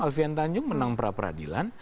alfian tanjung menang pra peradilan